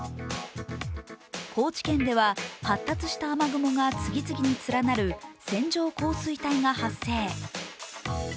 高知県では発達した雨雲が次々に連なる線状降水帯が発生。